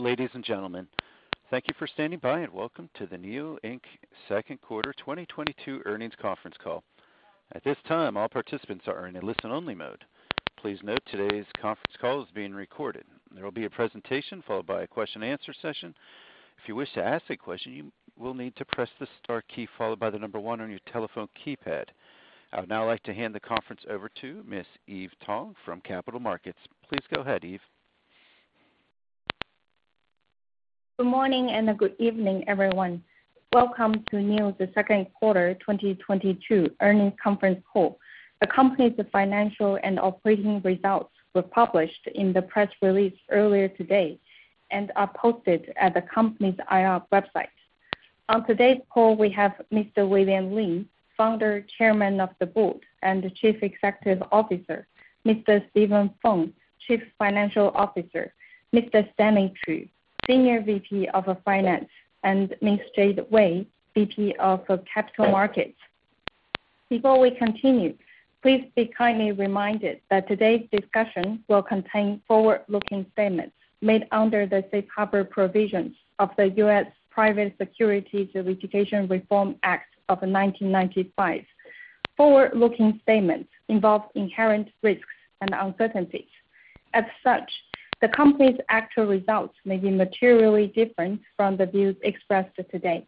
Ladies and gentlemen, thank you for standing by, and welcome to the NIO Inc. Q2 2022 earnings conference call. At this time, all participants are in a listen only mode. Please note today's conference call is being recorded. There will be a presentation followed by a question and answer session. If you wish to ask a question, you will need to press the star key followed by the number 1 on your telephone keypad. I would now like to hand the conference over to Ms. Eve Tang from Capital Markets. Please go ahead, Eve. Good morning and good evening, everyone. Welcome to NIO, the Q2 2022 earnings conference call. The company's financial and operating results were published in the press release earlier today and are posted at the company's IR website. On today's call, we have Mr. William Li, founder, chairman of the board and CEO, Mr. Steven Feng, CFO, Mr. Stanley Qu, senior VP of Finance, and Ms. Jade Wei, VP of Capital Markets. Before we continue, please be kindly reminded that today's discussion will contain forward-looking statements made under the safe harbor provisions of the US Private Securities Litigation Reform Act of 1995. Forward-looking statements involve inherent risks and uncertainties. As such, the company's actual results may be materially different from the views expressed today.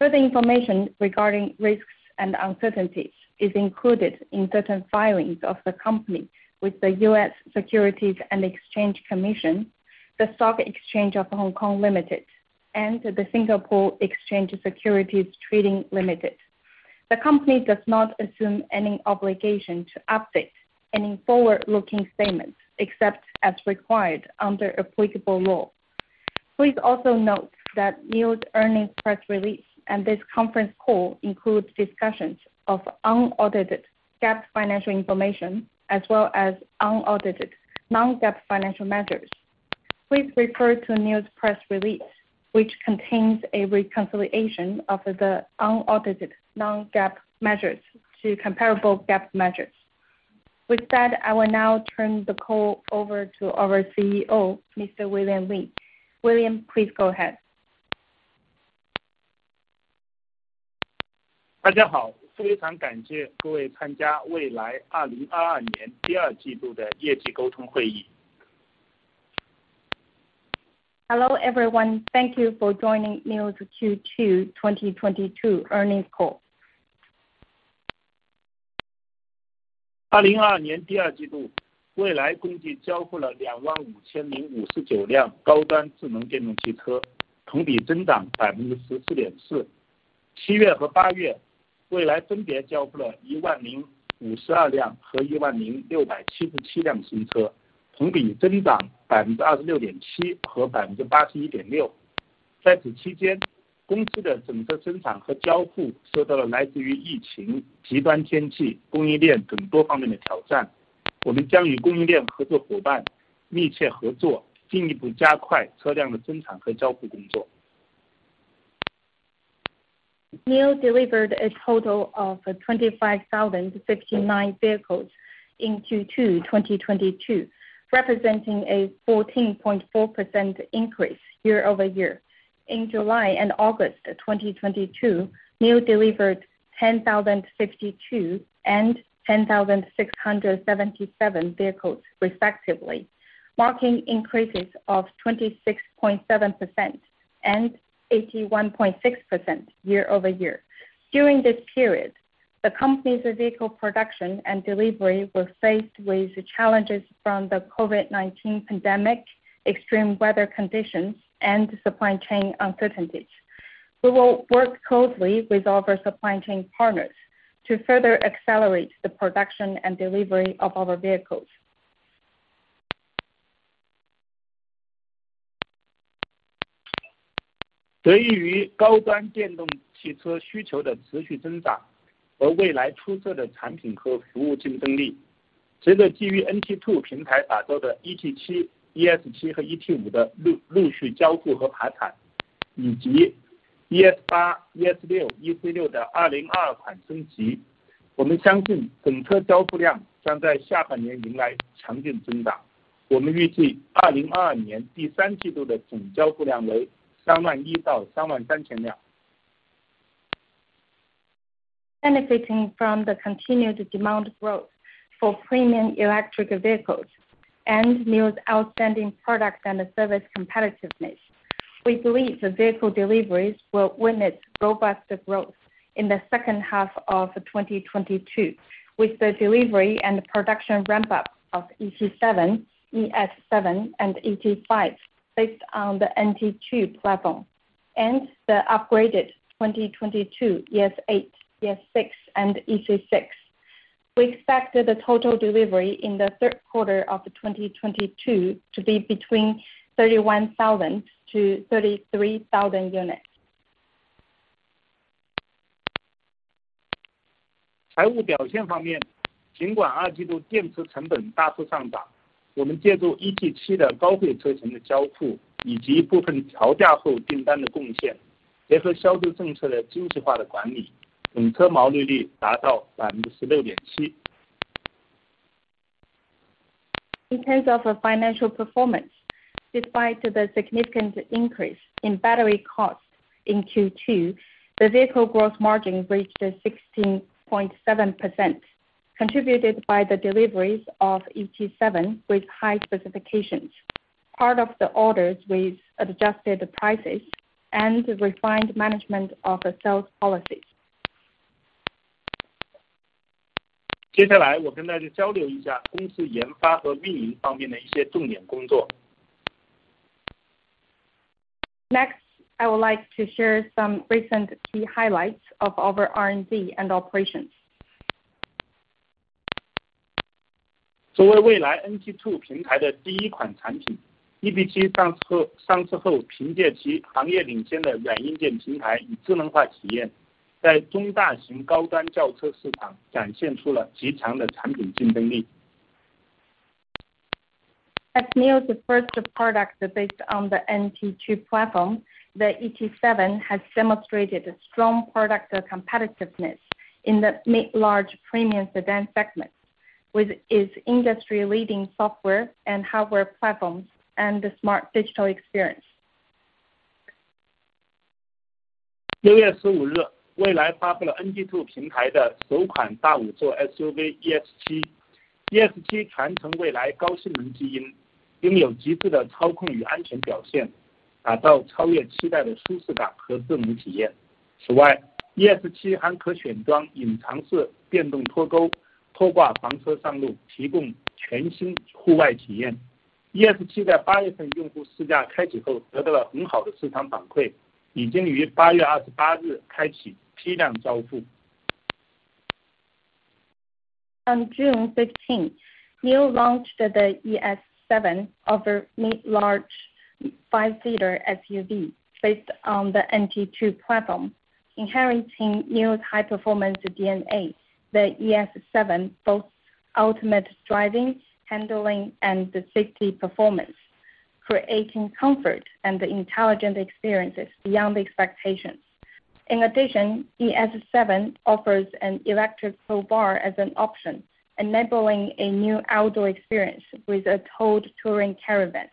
Further information regarding risks and uncertainties is included in certain filings of the company with the US Securities and Exchange Commission, the Stock Exchange of Hong Kong Limited, and the Singapore Exchange Securities Trading Limited. The company does not assume any obligation to update any forward-looking statements except as required under applicable law. Please also note that NIO's earnings press release and this conference call includes discussions of unaudited GAAP financial information as well as unaudited non-GAAP financial measures. Please refer to NIO's press release, which contains a reconciliation of the unaudited non-GAAP measures to comparable GAAP measures. With that, I will now turn the call over to our CEO, Mr. William Li. William, please go ahead. Hello, everyone. Thank you for joining NIO's Q2 2022 earnings call. Benefiting from the continued demand growth for premium electric vehicles and NIO's outstanding product and service competitiveness, we believe the vehicle deliveries will witness robust growth in the second half of 2022, with the delivery and production ramp up of ET7, ES7 and ET5 based on the NT2 platform and the upgraded 2022 ES8, ES6 and EC6. We expect the total delivery in the Q3 of 2022 to be between 31,000 and 33,000 units. In terms of financial performance, despite the significant increase in battery costs in Q2, the vehicle gross margin reached 16.7%, contributed by the deliveries of ET7 with high specifications. Part of the orders with adjusted prices and refined management of sales policies. 接下来我跟大家交流一下公司研发和运营方面的一些重点工作。Next, I would like to share some recent key highlights of our R&D and operations. 作为蔚来NT2平台的第一款产品，ET7上市后凭借其行业领先的软硬件平台与智能化体验，在中大型高端轿车市场展现出了极强的产品竞争力。As NIO's first product based on the NT2 platform, the ET7 has demonstrated a strong product competitiveness in the mid-large premium sedan segment with its industry-leading software and hardware platforms and the smart digital experience. On June 15th, NIO launched the ES7, offering mid-to-large five-seater SUV based on the NT2 platform. Inheriting NIO's high-performance DNA, the ES7 boasts ultimate driving, handling, and safety performance, creating comfort and intelligent experiences beyond expectations. In addition, ES7 offers an electric tow bar as an option, enabling a new outdoor experience with a towed touring caravan.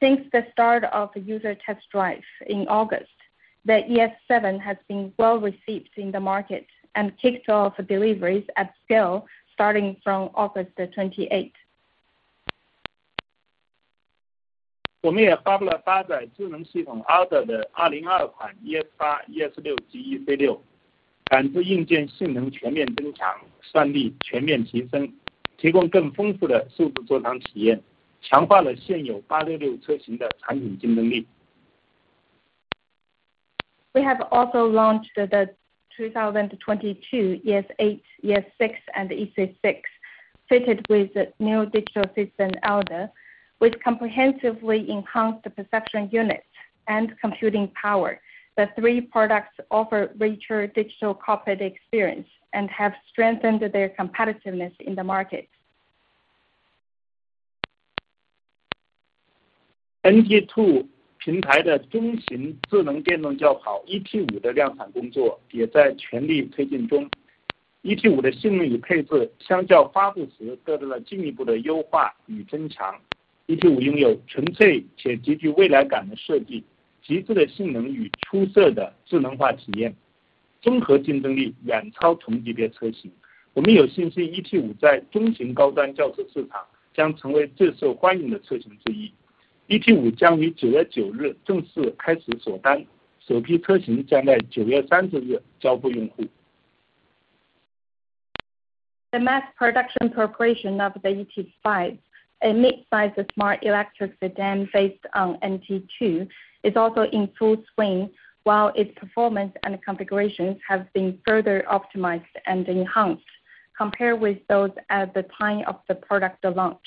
Since the start of user test drive in August, the ES7 has been well received in the market and kicks off deliveries at scale starting from August 28th. 我们也发布了搭载智能系统Alder的2022款ES8、ES6及EC6，感知硬件性能全面增强，算力全面提升，提供更丰富的数字座舱体验，强化了现有866车型的产品竞争力。We have also launched the 2022 ES8, ES6, and EC6 fitted with the new digital system, Alder, which comprehensively enhanced the perception unit and computing power. The three products offer richer digital cockpit experience and have strengthened their competitiveness in the market. NT2平台的中型智能电动轿跑ET5的量产工作也在全力推进中。ET5的性能与配置相较发布时得到了进一步的优化与增强。ET5拥有纯粹且极具未来感的设计，极致的性能与出色的智能化体验，综合竞争力远超同级别车型。我们有信心ET5在中型高端轿车市场将成为最受欢迎的车型之一。ET5将于9月9日正式开始锁单，首批车型将在9月30日交付用户。The mass production preparation of the ET5, a mid-size smart electric sedan based on NT2, is also in full swing, while its performance and configurations have been further optimized and enhanced compared with those at the time of the product launch.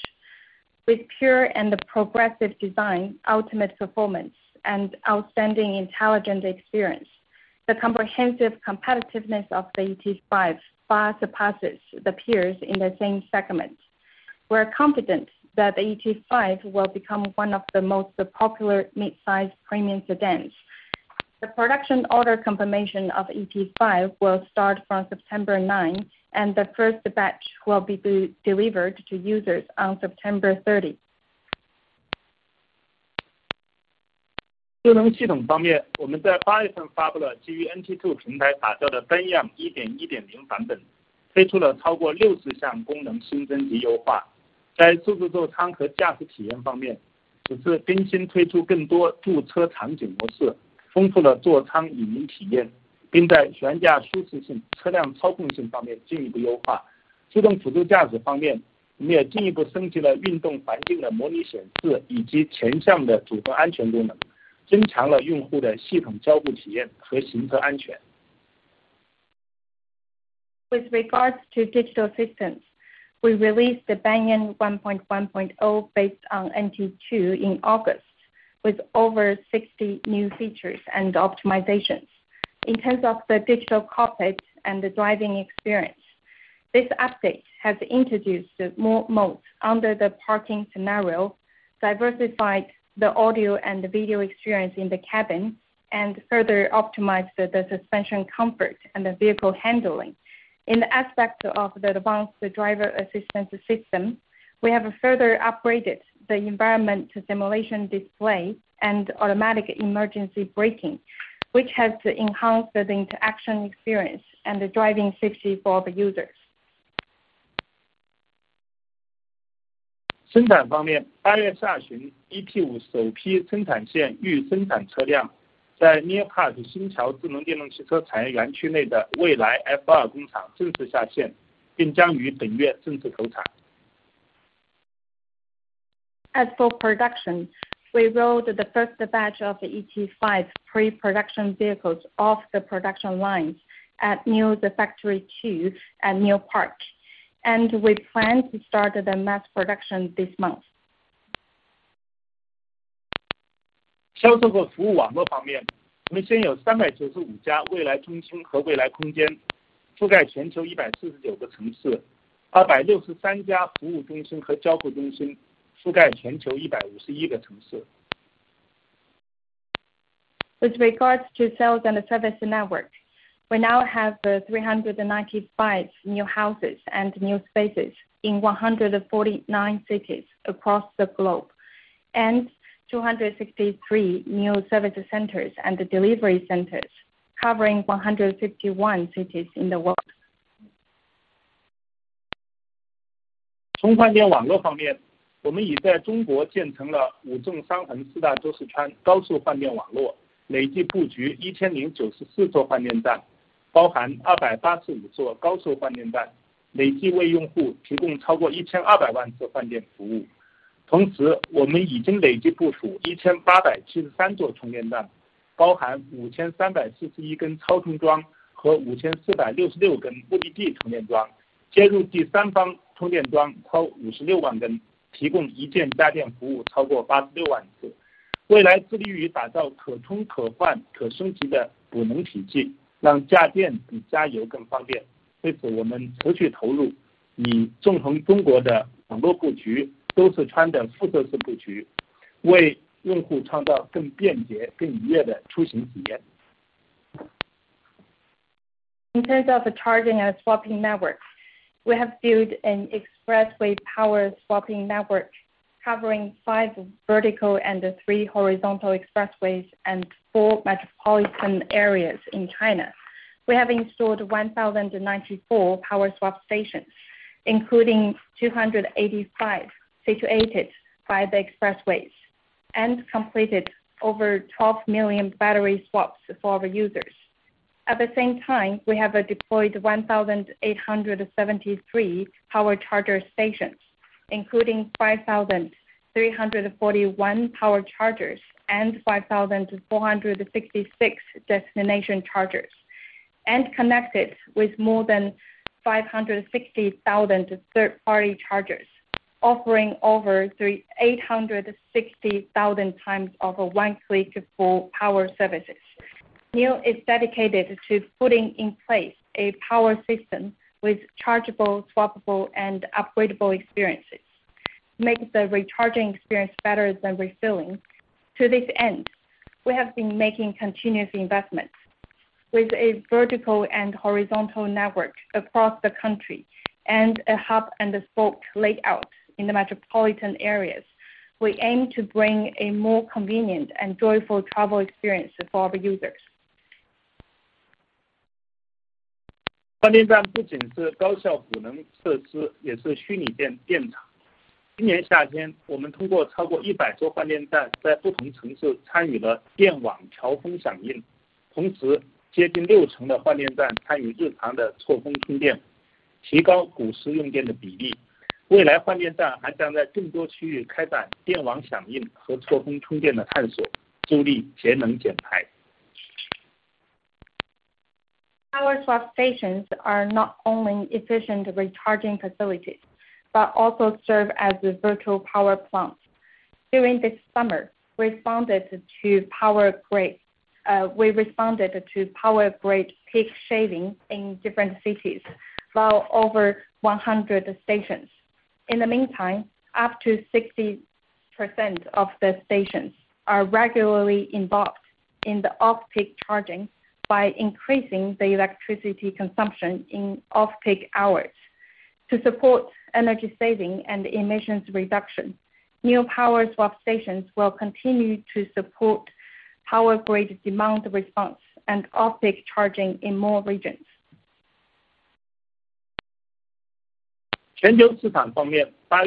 With pure and progressive design, ultimate performance, and outstanding intelligent experience, the comprehensive competitiveness of the ET5 far surpasses the peers in the same segment. We are confident that the ET5 will become one of the most popular midsize premium sedans. The production order confirmation of ET5 will start from September 9, and the first batch will be delivered to users on September 30. 智能系统方面，我们在八月份发布了基于NT2平台打造的Banyan 1.1.0版本，推出了超过60项功能新增及优化。在数字座舱和驾驶体验方面，此次更新推出更多驻车场景模式，丰富了座舱语音体验，并在悬架舒适性、车辆操控性方面进一步优化。自动辅助驾驶方面，我们也进一步升级了运动环境的模拟显示以及全向的主动安全功能，增强了用户的系统交互体验和行车安全。With regards to digital systems, we released the Banyan 1.1.0 based on NT2 in August, with over 60 new features and optimizations. In terms of the digital cockpit and the driving experience, this update has introduced more modes. Under the parking scenario, diversified the audio and the video experience in the cabin and further optimized the suspension comfort and the vehicle handling. In the aspect of the advanced driver assistance system, we have further upgraded the environment to simulation display and automatic emergency braking, which helps to enhance the interaction experience and the driving safety for the users. As for production, we rolled the first batch of the ET5 pre-production vehicles off the production lines at NIO's Factory 2 at NIO Park, and we plan to start the mass production this month. With regards to sales and the service network, we now have 395 NIO Houses and NIO Spaces in 149 cities across the globe. 263 NIO service centers and the delivery centers covering 151 cities in the world. In terms of the charging and swapping network, we have built an expressway power swapping network covering 5 vertical and 3 horizontal expressways and 4 metropolitan areas in China. We have installed 1,094 Power Swap Stations, including 285 situated by the expressways, and completed over 12 million battery swaps for the users. At the same time, we have deployed 1,873 power charger stations, including 5,341 power chargers, and 5,466 destination chargers, and connected with more than 560,000 third-party chargers, offering over 860,000 times of one click for power services. NIO is dedicated to putting in place a power system with chargeable, swappable, and upgradable experiences, making the recharging experience better than refilling. To this end, we have been making continuous investments. With a vertical and horizontal network across the country and a hub and a spoke layout in the metropolitan areas, we aim to bring a more convenient and joyful travel experience for the users. Power swap stations are not only efficient recharging facilities, but also serve as virtual power plants. During this summer, we responded to power grid peak shaving in different cities, while over 100 stations. In the meantime, up to 60% of the stations are regularly involved in the off-peak charging by increasing the electricity consumption in off-peak hours. To support energy saving and emissions reduction, new power swap stations will continue to support power grid demand response and off-peak charging in more regions. As for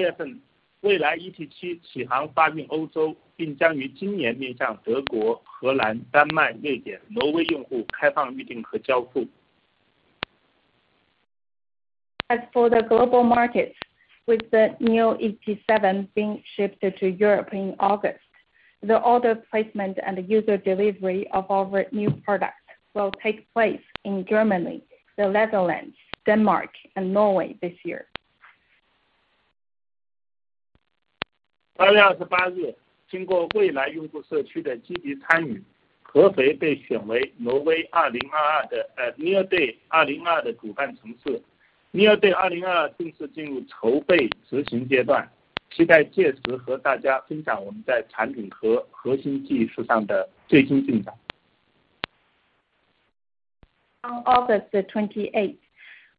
the global market, with the NIO ET7 being shipped to Europe in August, the order placement and user delivery of our new product will take place in Germany, the Netherlands, Denmark, and Norway this year. 八月二十八日，经过蔚来用户社区的积极参与，合肥被选为NIO Day 2022的主办城市，NIO Day 2022正式进入筹备执行阶段，期待届时和大家分享我们在产品和核心技术上的最新进展。On August the 28th,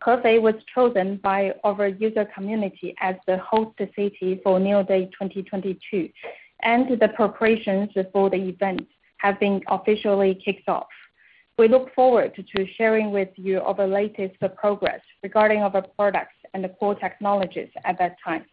Hefei was chosen by our user community as the host city for NIO Day 2022, and the preparations for the event have been officially kicked off. We look forward to sharing with you all the latest progress regarding our products and core technologies at that time.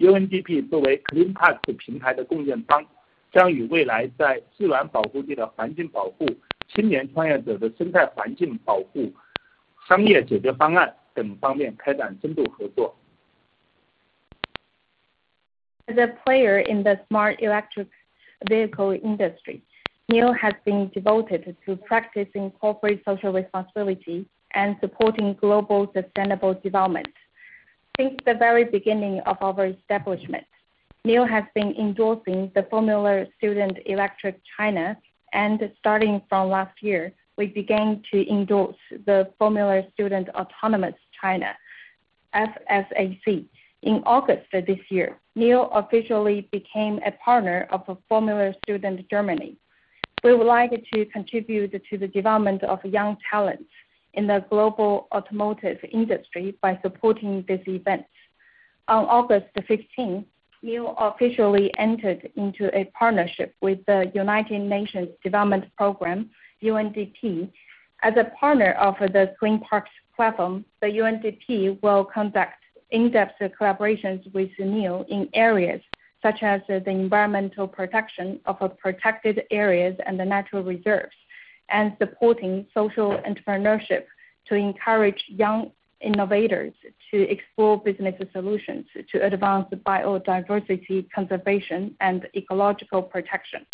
As a player in the smart electric vehicle industry, NIO has been devoted to practicing corporate social responsibility and supporting global sustainable development. Since the very beginning of our establishment, NIO has been endorsing the Formula Student Electric China. Starting from last year, we began to endorse the Formula Student Autonomous China, FSAC. In August this year, NIO officially became a partner of Formula Student Germany. We would like to contribute to the development of young talents in the global automotive industry by supporting this event. On August the 15th, NIO officially entered into a partnership with the United Nations Development Programme, UNDP. As a partner of the Green Parks platform, the UNDP will conduct in-depth collaborations with NIO in areas such as the environmental protection of protected areas and natural reserves, and supporting social entrepreneurship to encourage young innovators to explore business solutions to advance biodiversity conservation and ecological protection.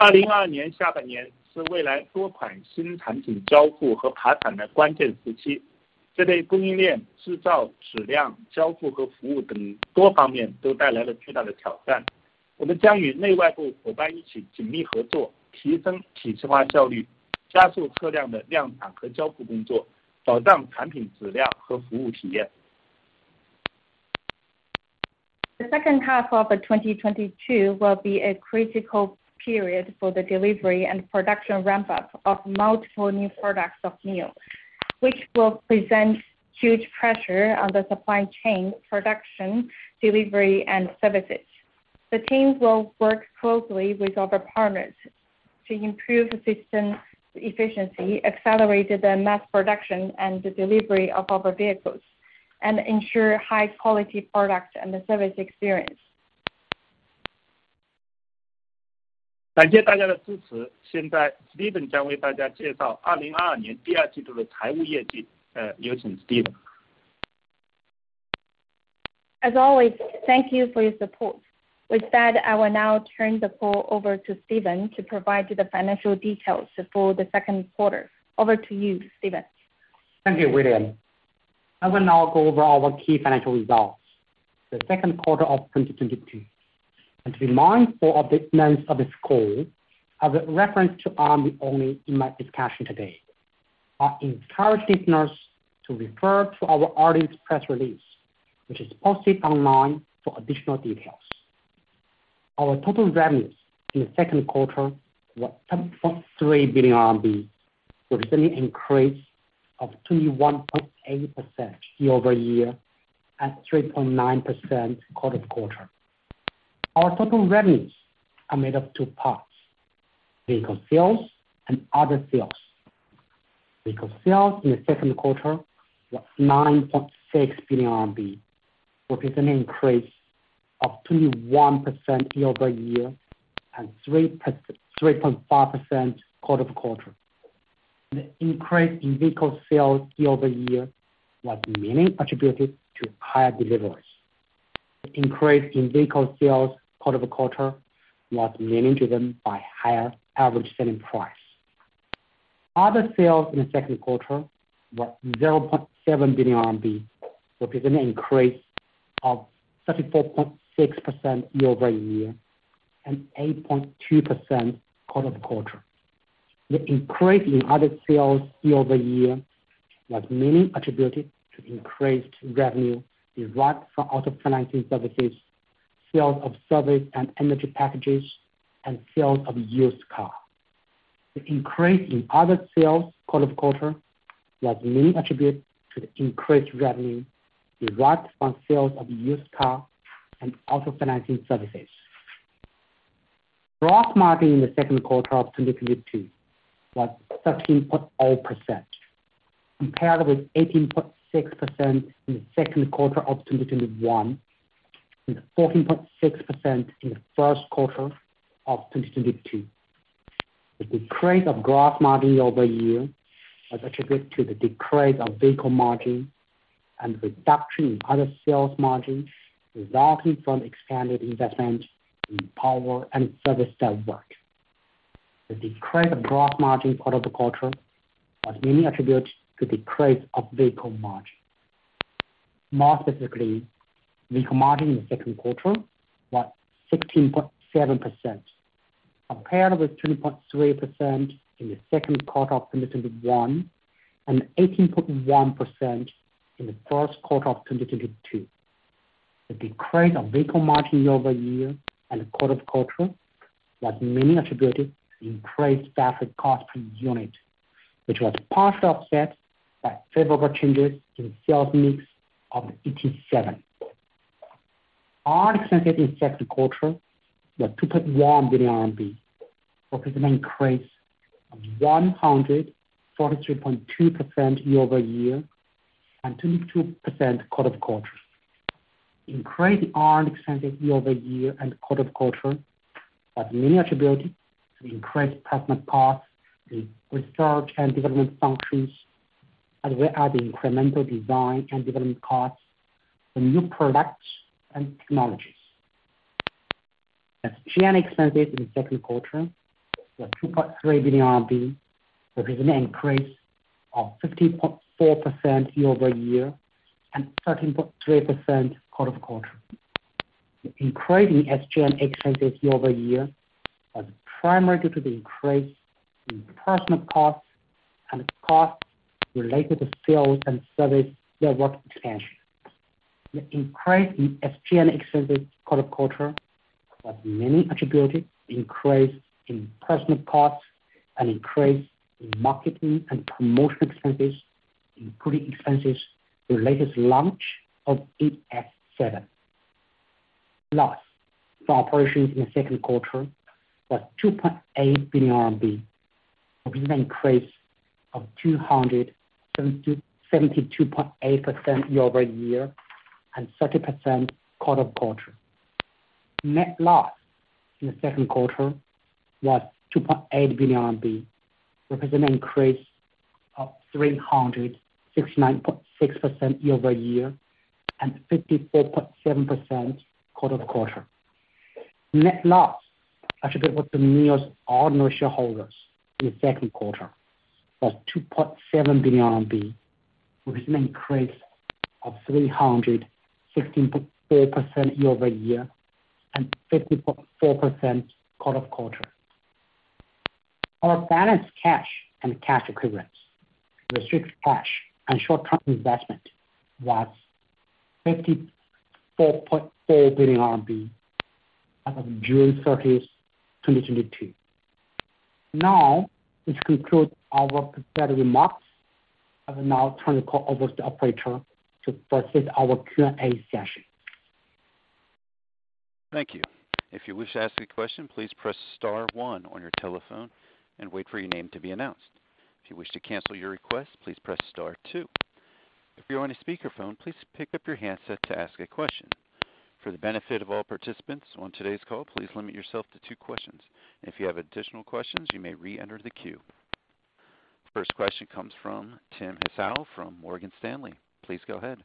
2022年下半年是蔚来多款新产品交付和爬产的关键时期，这对供应链、制造、质量、交付和服务等多方面都带来了巨大的挑战。我们将与内外部伙伴一起紧密合作，提升体系化效率，加速车辆的量产和交付工作，保障产品质量和服务体验。The second half of 2022 will be a critical period for the delivery and production ramp-up of multiple new products of NIO, which will present huge pressure on the supply chain, production, delivery, and services. The teams will work closely with other partners to improve system efficiency, accelerate the mass production, and the delivery of our vehicles, and ensure high quality products and service experience. 感谢大家的支持。现在 Steven 将为大家介绍 2022 年第二季度的财务业绩。有请 Steven。As always, thank you for your support. With that, I will now turn the call over to Steven to provide you the financial details for the Q2. Over to you, Steven. Thank you William. I will now go over our key financial results for the Q2 of 2022. To be mindful of the length of this call, I will reference to RMB only in my discussion today. I encourage listeners to refer to our earnings press release, which is posted online for additional details. Our total revenues in the Q2 were 7.3 billion RMB, representing an increase of 21.8% year-over-year and 3.9% quarter-over-quarter. Our total revenues are made up of two parts: vehicle sales and other sales. Vehicle sales in the Q2 was 9.6 billion RMB, representing an increase of 21% year-over-year and 3.5% quarter-over-quarter. The increase in vehicle sales year-over-year was mainly attributed to higher deliveries. The increase in vehicle sales quarter-over-quarter was mainly driven by higher average selling price. Other sales in the Q2 were 0.7 billion RMB, representing an increase of 34.6% year-over-year and 8.2% quarter-over-quarter. The increase in other sales year-over-year was mainly attributed to increased revenue derived from auto financing services, sales of service and energy packages, and sales of used cars. The increase in other sales quarter-over-quarter was mainly attributed to the increased revenue derived from sales of used car and auto financing services. Gross margin in the Q2 of 2022 was 13.0%, compared with 18.6% in the Q2 of 2021, and 14.6% in the Q1 of 2022. The decrease of gross margin year-over-year was attributed to the decrease of vehicle margin and reduction in other sales margin resulting from expanded investment in power and service network. The decrease of gross margin quarter-over-quarter was mainly attributed to decrease of vehicle margin. More specifically, vehicle margin in the Q2 was 16.7%, compared with 20.3% in the Q2 of 2021, and 18.1% in the Q1 of 2022. The decrease of vehicle margin year-over-year and quarter-over-quarter was mainly attributed to increased staff cost per unit, which was partially offset by favorable changes in sales mix of ET7. R&D expenses in Q2 were RMB 2.1 billion, representing an increase of 143.2% year-over-year, and 22% quarter-over-quarter. Increase in R&D expenses year-over-year and quarter-over-quarter was mainly attributed to increased personnel costs, the research and development functions, as well as the incremental design and development costs for new products and technologies. SG&A expenses in the Q2 were 2.3 billion RMB, representing an increase of 15.4% year-over-year, and 13.3% quarter-over-quarter. The increase in SG&A expenses year-over-year was primarily due to the increase in personnel costs and costs related to sales and service network expansion. The increase in SG&A expenses quarter-over-quarter was mainly attributed to increase in personnel costs and increase in marketing and promotional expenses, including expenses related to launch of ET7. Loss for operations in the Q2 was 2.8 billion RMB, representing an increase of 272.8% year-over-year, and 30% quarter-over-quarter. Net loss in the Q2 was 2.8 billion RMB, representing an increase of 369.6% year-over-year, and 54.7% quarter-over-quarter. Net loss attributable to NIO's ordinary shareholders in the Q2 was 2.7 billion RMB, representing an increase of 360.4% year-over-year, and 50.4% quarter-over-quarter. Our balance of cash and cash equivalents, restricted cash and short-term investment was RMB 54.4 billion as of June 30, 2022. Now this concludes our prepared remarks. I will now turn the call over to the operator to proceed our Q&A session. Thank you. If you wish to ask a question, please press star one on your telephone and wait for your name to be announced. If you wish to cancel your request, please press star two. If you're on a speaker phone, please pick up your handset to ask a question. For the benefit of all participants on today's call, please limit yourself to two questions. If you have additional questions, you may re-enter the queue. First question comes from Tim Hsiao from Morgan Stanley. Please go ahead.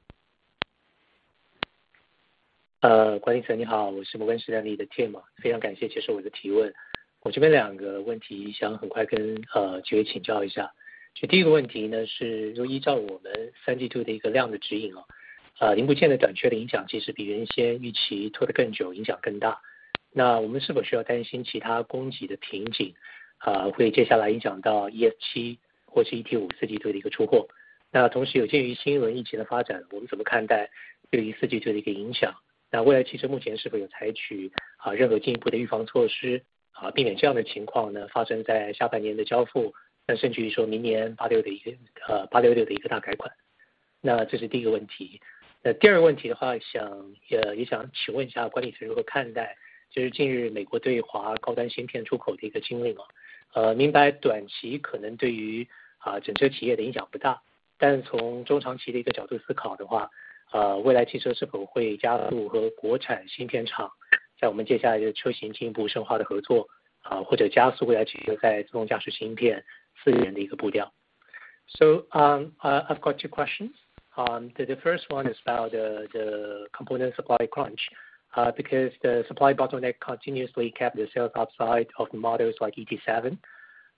I've got two questions. The first one is about the component supply crunch. Because the supply bottleneck continuously kept the sales outside of the models like ET7,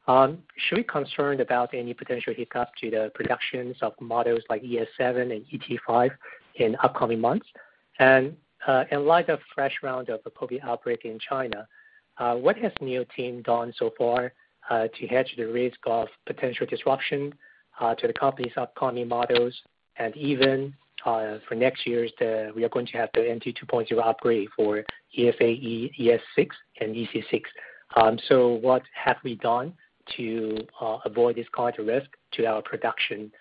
should we be concerned about any potential hiccup to the productions of models like ES7 and ET5 in upcoming months? In light of fresh round of the COVID outbreak in China, what has NIO team done so far to hedge the risk of potential disruption to the company's upcoming models, and even for next year's, we are going to have the NT 2.0 upgrade for ES8, ES6, and EC6. What have we done to avoid this kind of risk to our production?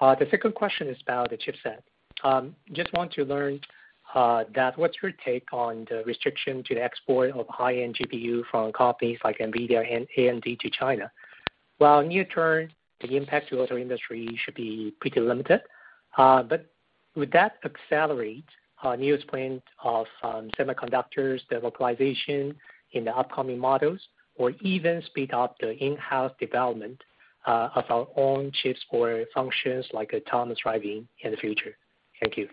The second question is about the chipset. Just want to learn that what's your take on the restriction to the export of high-end GPU from companies like NVIDIA and AMD to China? While near term, the impact to auto industry should be pretty limited. But will that accelerate our need for semiconductor localization in the upcoming models, or even speed up the in-house development of our own chips for functions like autonomous driving in the future. Thank you.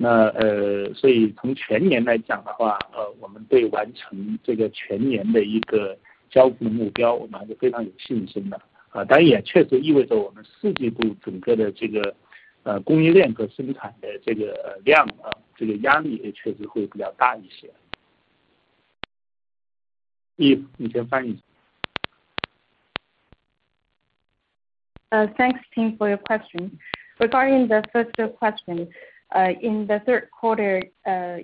Thanks Tim for your question. Regarding the first question. In the Q3,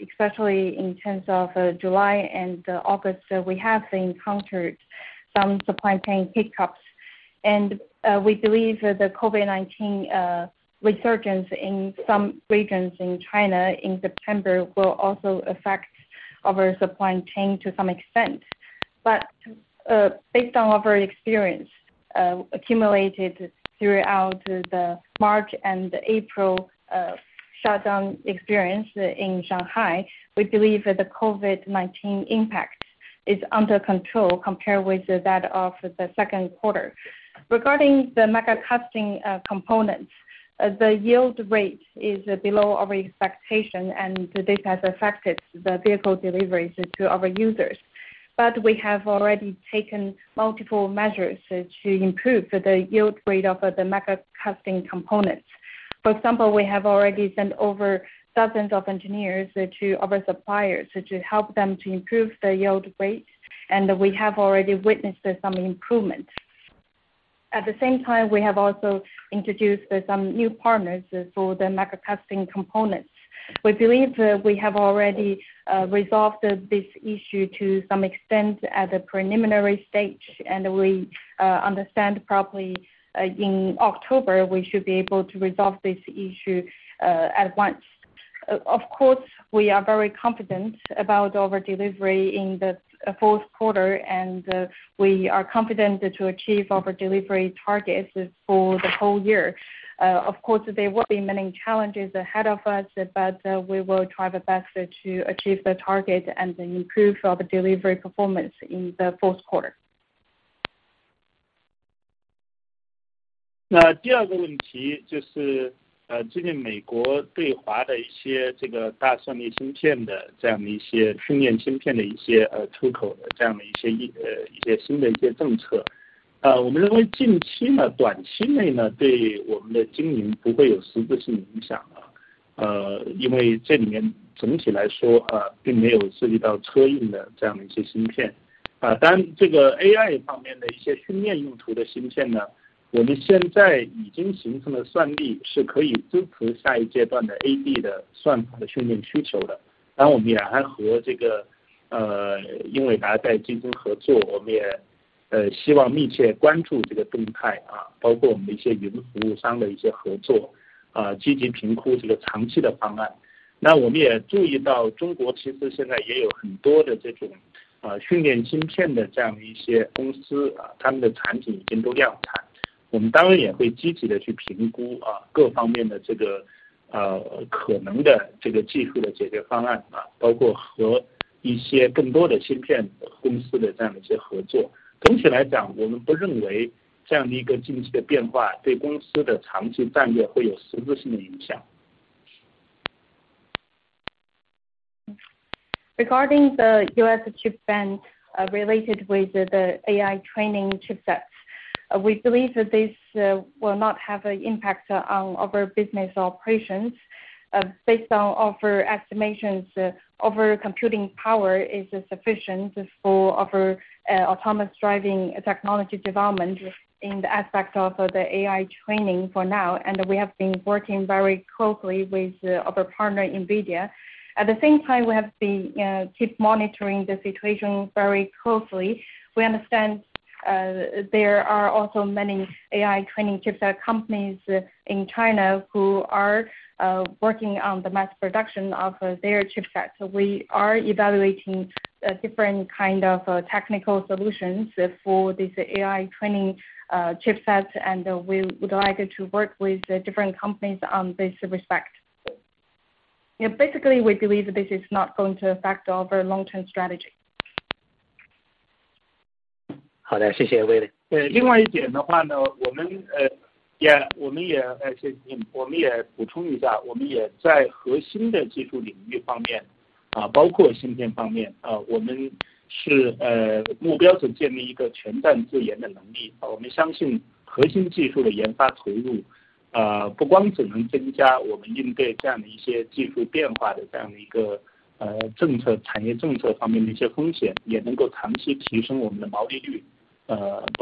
especially in terms of July and August, we have encountered some supply chain hiccups, and we believe the COVID-19 resurgence in some regions in China in September will also affect our supply chain to some extent. Based on our experience accumulated throughout the March and April shutdown experience in Shanghai, we believe the COVID-19 impact is under control compared with that of the Q2. Regarding the mega-casting components, the yield rate is below our expectation and this has affected the vehicle deliveries to our users. We have already taken multiple measures to improve the yield rate of the mega-casting components. For example, we have already sent over thousands of engineers to our suppliers to help them to improve their yield rates. We have already witnessed some improvement. At the same time, we have also introduced some new partners for the mega-casting components. We believe we have already resolved this issue to some extent at the preliminary stage, and we understand probably in October we should be able to resolve this issue at once. Of course, we are very confident about our delivery in the Q4 and we are confident to achieve our delivery targets for the whole year. Of course there will be many challenges ahead of us, but we will try the best to achieve the target and improve our delivery performance in the Q4. Regarding the U.S. chip ban related with the AI training chipsets, we believe that this will not have an impact on our business operations. Based on our estimations of our computing power is sufficient for our autonomous driving technology development in the aspect of the AI training for now, and we have been working very closely with our partner NVIDIA. At the same time, we have been keep monitoring the situation very closely. We understand, there are also many AI training chipset companies in China who are, working on the mass production of their chipsets. We are evaluating different kind of technical solutions for this AI training, chipsets, and we would like to work with different companies on this respect. Yeah, basically, we believe this is not going to affect our long-term strategy. Of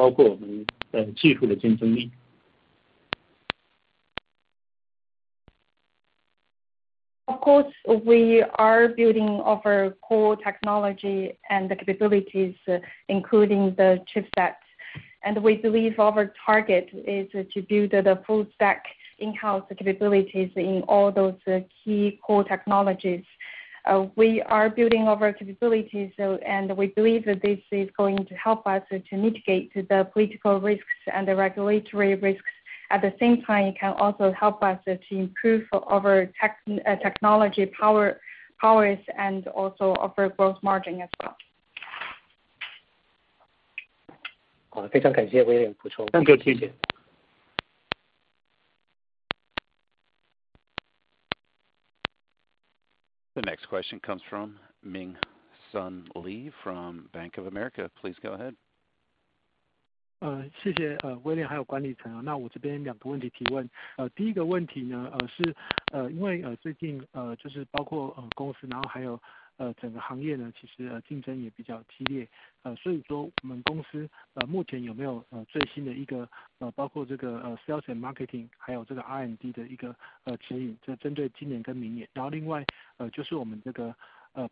course we are building our core technology and capabilities, including the chipsets, and we believe our target is to build the full stack in-house capabilities in all those key core technologies. We are building our capabilities, and we believe that this is going to help us to mitigate the political risks and the regulatory risks. At the same time, it can also help us to improve our technology powers and also offer gross margin as well. 好的，非常感谢William补充。好的，谢谢。The next question comes from Ming-Hsun Lee from Bank of America. Please go ahead. 谢谢，William，还有管理层。那我这边两个问题提问。第一个问题呢，是因为最近，就是包括公司，然后还有整个行业呢，其实竞争也比较激烈，所以说我们公司目前有没有最新的一个，包括这个 sales and marketing，还有这个 R&D 的一个指引，这针对今年跟明年。然后另外，就是我们这个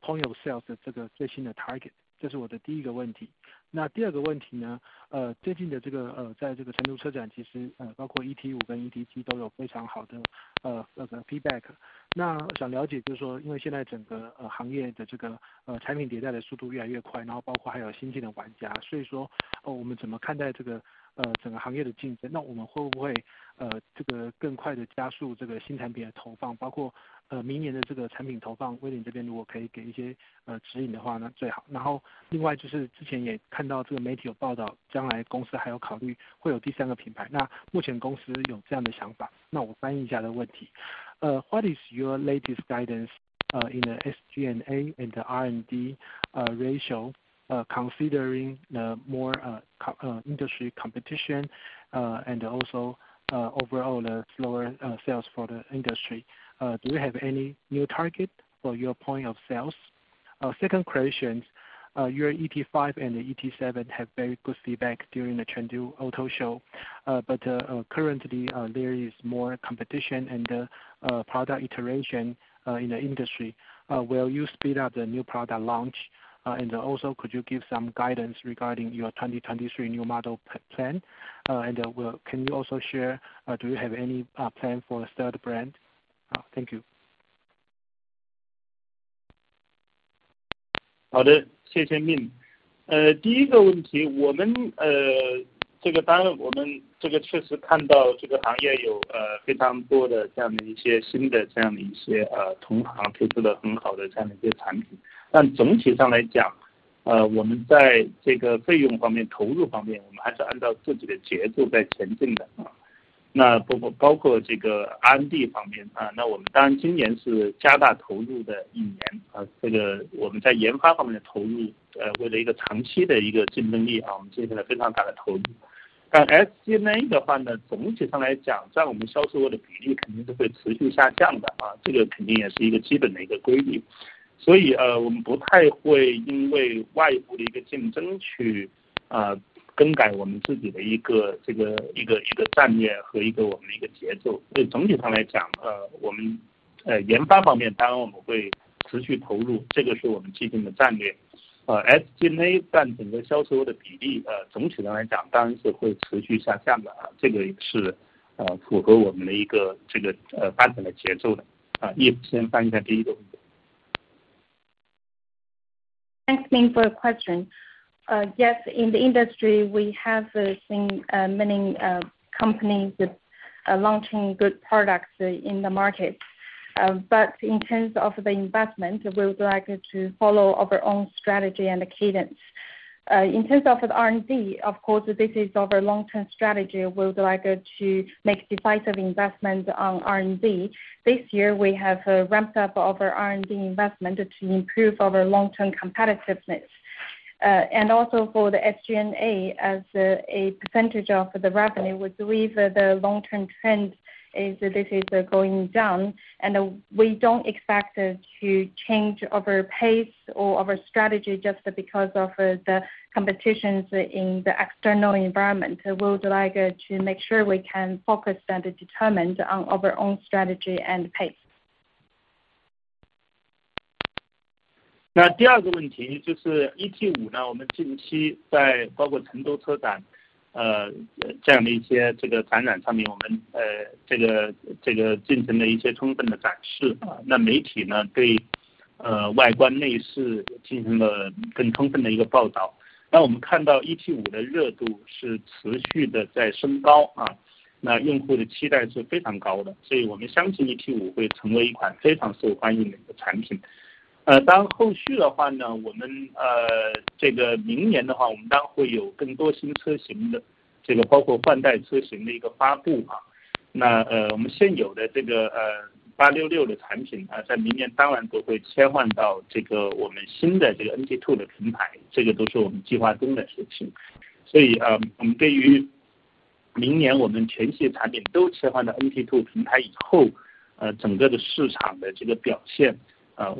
point of sales 的这个最新的 target。这是我的第一个问题。那第二个问题呢，最近的这个，在这个成都车展，其实包括 ET5 跟 ET7 都有非常好的那个 feedback。那想了解就是说因为现在整个行业的这个产品迭代的速度越来越快，然后包括还有新兴的玩家，所以说，我们怎么看待这个整个行业的竞争，那我们会不会这个更快地加速这个新产品的投放，包括明年的这个产品投放，William 这边如果可以给一些指引的话那最好。然后另外就是之前也看到这个媒体有报道，将来公司还要考虑会有第三个品牌，那目前公司有这样的想法。那我翻译一下的问题，What is your latest guidance, uh, in the SG&A and the R&D ratio, considering the more competitive industry competition, and also overall the slower sales for the industry. Do you have any new target for your points of sale? Second question, your ET5 and the ET7 have very good feedback during the Chengdu Motor Show. Currently, there is more competition and the product iteration in the industry. Will you speed up the new product launch? Also, could you give some guidance regarding your 2023 new model plan? Can you also share, do you have any plan for a third brand? OK, thank you. Thanks Ming for your question. In the industry, we have seen many companies launching good products in the market, but in terms of the investment, we would like to follow our own strategy and cadence in terms of R&D. Of course, this is our long-term strategy. We would like to make decisive investment on R&D. This year, we have ramped up our R&D investment to improve our long-term competitiveness, and also for the SG&A as a percentage of the revenue. We believe the long-term trend is this is going down and we don't expect to change our pace or our strategy just because of the competitions in the external environment. We would like to make sure we can focus and determine on our own strategy and pace. Well,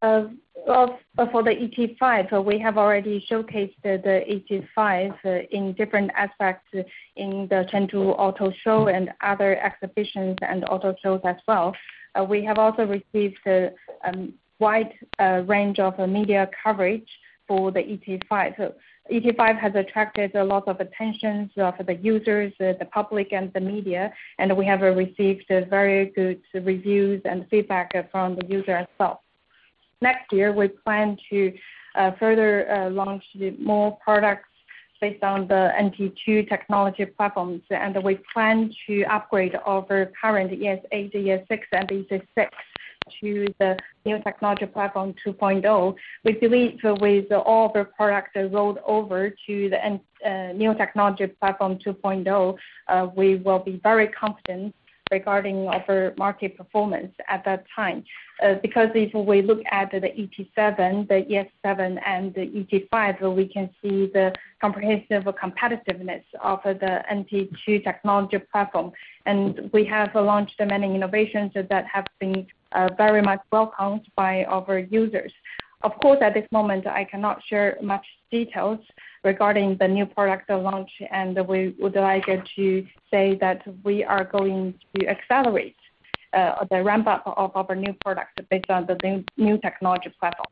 for the ET5, we have already showcased the ET5 in different aspects in the Chengdu Motor Show and other exhibitions and auto shows as well. We have also received a wide range of media coverage for the ET5. ET5 has attracted a lot of attention for the users, the public and the media, and we have received very good reviews and feedback from the user itself. Next year, we plan to further launch more products based on the NT2 technology platforms, and we plan to upgrade our current ES8, ES6 and EC6 to the new technology platform 2.0. We believe with all the products rolled over to the new technology platform 2.0, we will be very confident regarding our market performance at that time. Because if we look at the ET7, the ES7 and the ET5, we can see the comprehensive competitiveness of the NT2 technology platform, and we have launched many innovations that have been very much welcomed by our users. Of course at this moment I cannot share much details regarding the new product launch, and we would like to say that we are going to accelerate the ramp-up of our new products based on the new technology platform.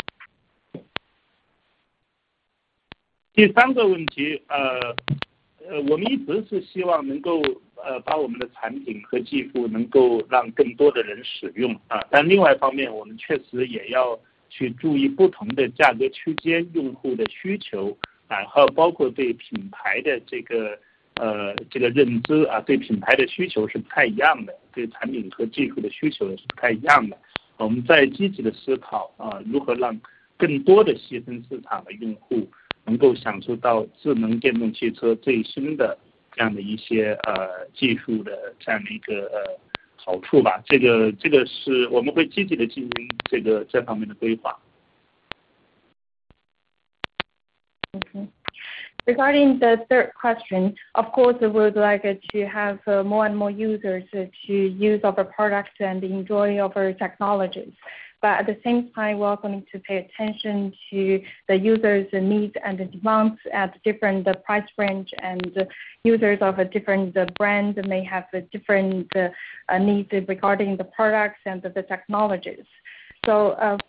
Regarding the third question, of course, we would like to have more and more users to use our products and enjoy our technologies. At the same time, we are going to pay attention to the users' needs and demands at different price range, and users of different brands may have different needs regarding the products and the technologies. For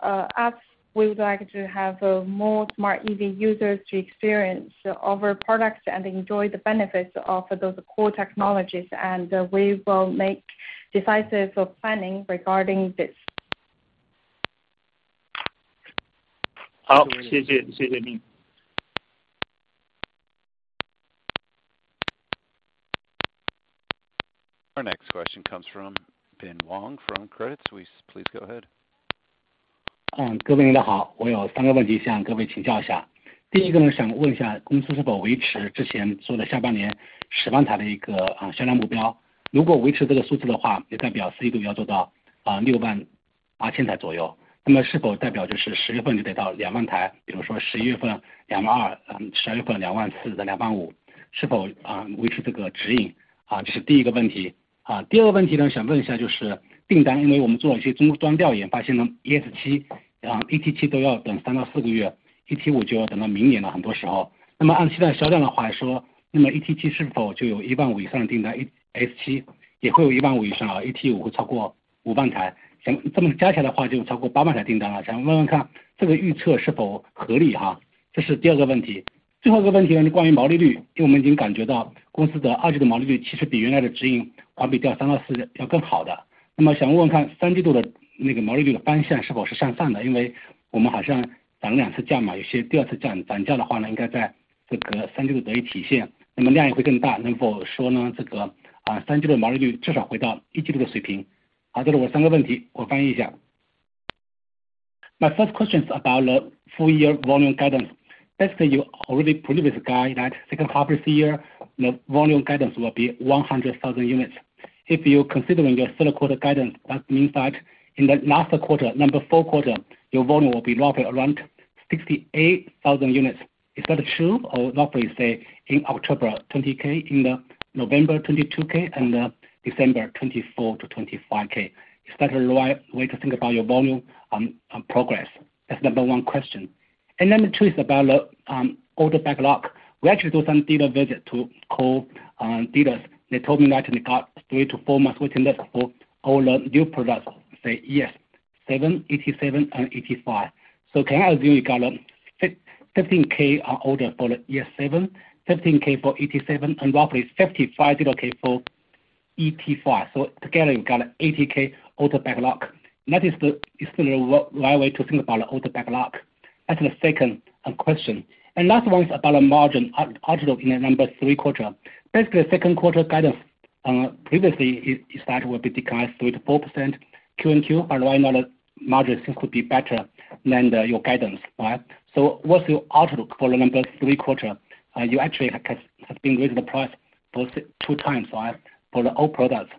us, we would like to have more smart EV users to experience our products and enjoy the benefits of those core technologies, and we will make decisive planning regarding this. 好，谢谢，谢谢您。Our next question comes from Bin Wang from Credit Suisse. Please go ahead. My first question is about the full year volume guidance. Basically, you already predicted a guide for the second half this year, the volume guidance will be 100,000 units. If you consider your Q3 guidance, that means that in the last quarter, Q4, your volume will be roughly around 68,000 units. Is that true? Or roughly say in October 20,000, in November 22,000 and December 24,000-25,000. Is that the right way to think about your volume progress? That's number one question. Number two is about order backlog. We actually did some dealer visits and calls to dealers. They told me that they have a 3-4 month waiting list for all the new products. ES7, ET7 and ET5. Can I view you got 15,000 orders for ES7, 15,000 for ET7 and roughly 55,000 for ET5. Together you've got 80,000 order backlog. That is a similar right way to think about order backlog. That's the second question. Last one is about margin outlook in the Q3. Basically the Q2 guidance previously is that will be declined 3%-4% QoQ, although I know that margin seems to be better than your guidance, right? What's your outlook for Q3? You actually have been raising the price for two times, right? For all products.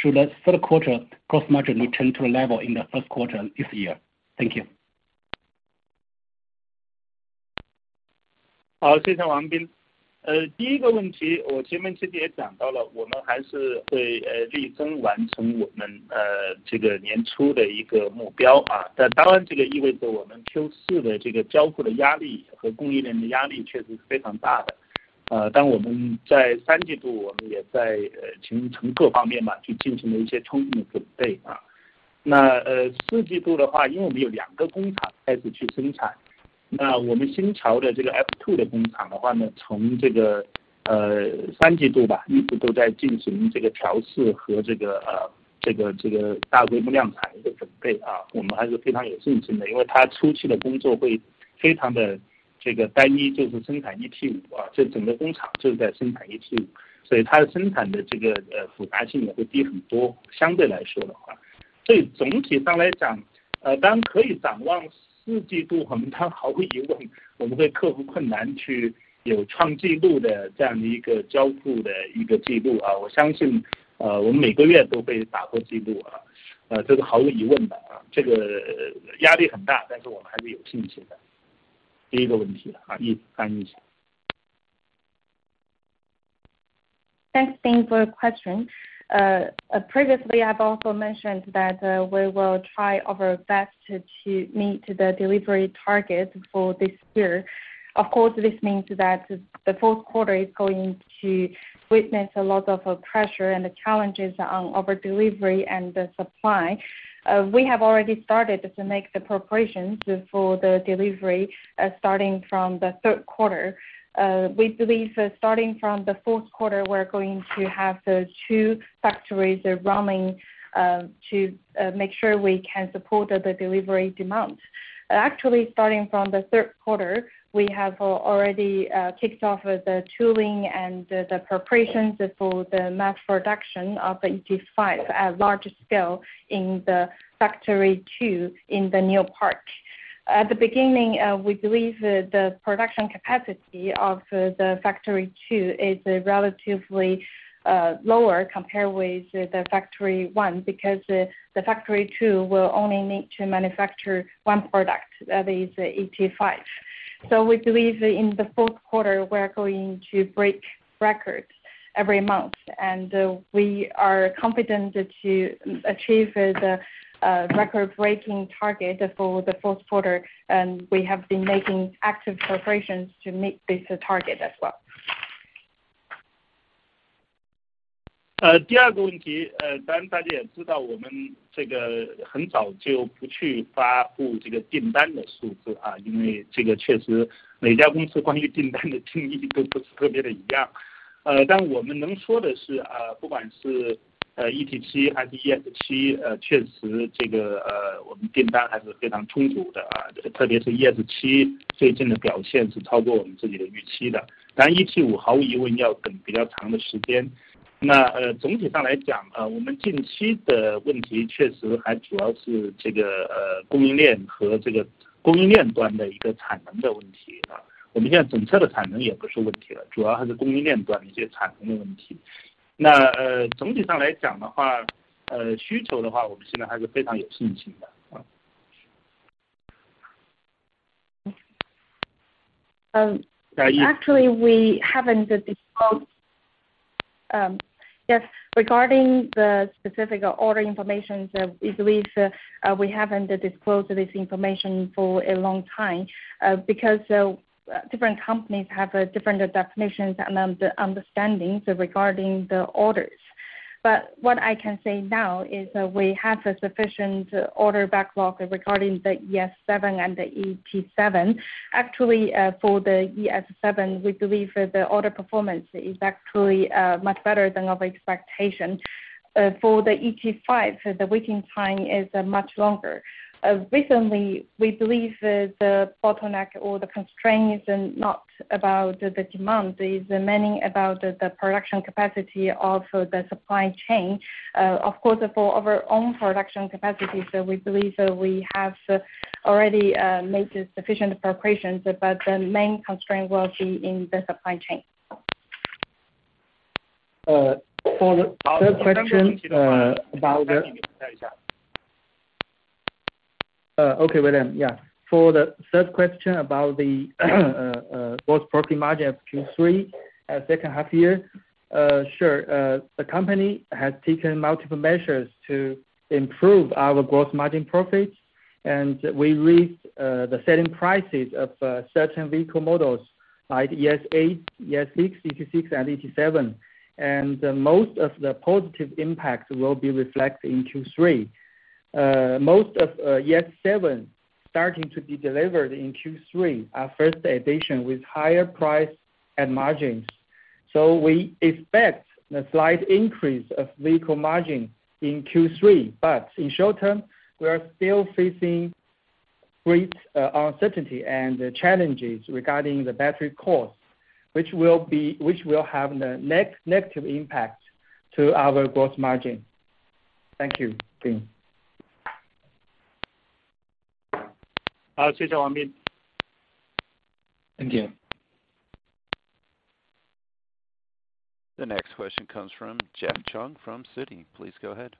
Should the Q3 gross margin return to a level in the Q1 this year? Thank you. Thanks for your question. Previously I've also mentioned that we will try our best to meet the delivery target for this year. Of course, this means that the Q4 is going to witness a lot of pressure and the challenges on our delivery and the supply. We have already started to make the preparations for the delivery, starting from the Q3. We believe starting from the Q4, we're going to have the two factories are running to make sure we can support the delivery demands. Actually, starting from the Q3, we have already kicked off the tooling and the preparations for the mass production of the ET5 at large scale in the factory two in the new park. At the beginning, we believe the production capacity of the factory two is relatively lower compared with the factory one, because the factory two will only need to manufacture one product. That is ET5. We believe in the Q4 we are going to break records every month, and we are confident to achieve the record-breaking target for the Q4. We have been making active preparations to meet this target as well. Actually we haven't disclosed, yes, regarding the specific order information, we believe we haven't disclosed this information for a long time, because different companies have different definitions and understandings regarding the orders. But what I can say now is that we have a sufficient order backlog regarding the ES7 and the ET7. Actually, for the ES7, we believe the order performance is actually much better than our expectation. For the ET5, the waiting time is much longer. Recently, we believe that the bottleneck or the constraint is not about the demand, is mainly about the production capacity of the supply chain, of course of our own production capacity. We believe that we have already made sufficient preparations, but the main constraint will be in the supply chain. For the third question about the gross profit margin of Q3 and second half year. The company has taken multiple measures to improve our gross margin profits, and we raised the selling prices of certain vehicle models like ES8, ES6, EC6 and ET7. Most of the positive impacts will be reflected in Q3. Most of ES7 starting to be delivered in Q3, our first edition with higher price and margins. We expect a slight increase of vehicle margin in Q3. In short term, we are still facing great uncertainty and challenges regarding the battery cost, which will have the net negative impact to our gross margin. Thank you. Thank you. The next question comes from Jeff Chung from Citi. Please go ahead.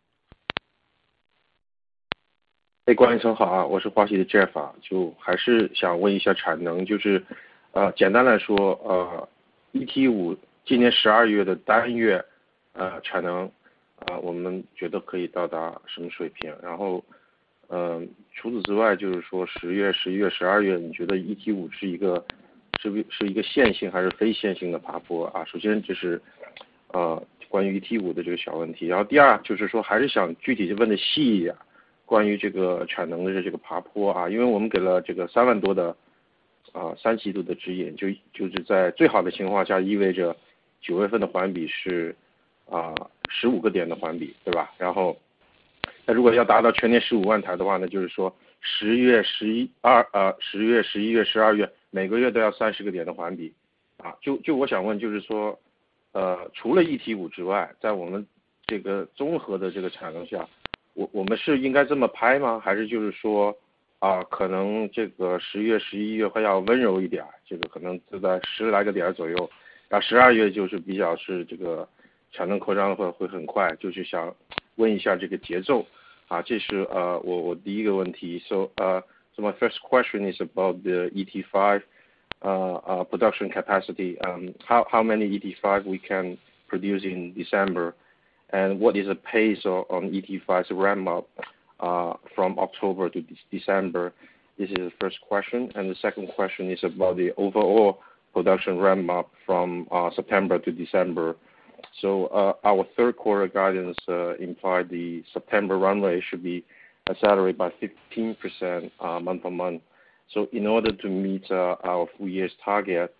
So, my first question is about the ET5 production capacity. How many ET5 we can produce in December? What is the pace of the ET5 ramp up from October to December? This is the first question. The second question is about the overall production ramp up from September to December. Our Q3 guidance implied the September runway should be accelerated by 15%, month-on-month. In order to meet our full year's target,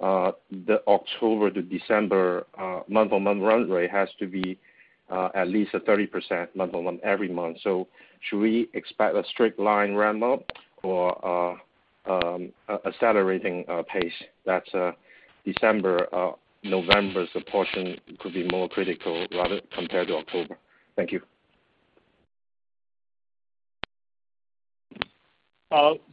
the October to December month-on-month runway has to be at least a 30% month-on-month every month. Should we expect a straight line ramp up or an accelerating pace that December or November's portion could be more critical rather compared to October? Thank you.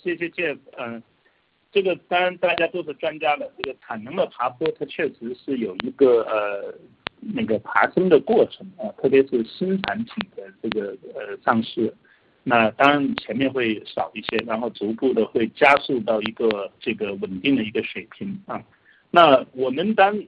谢谢 Jeff。这个当然大家都是专家了，这个产能的爬坡，它确实是有一个爬升的过程，特别是新产品的上市，那当然前面会少一些，然后逐步地会加速到一个稳定的水平。那我们当然这个从 ET5